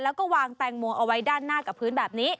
แล้วก็วางแตงโมเอาไว้ด้านหน้ากับพื้นแบบนี้